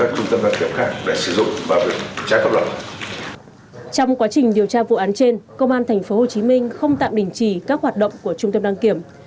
trong quá trình điều tra vụ án trên công an tp hcm không tạm đình chỉ các hoạt động của trung tâm đăng kiểm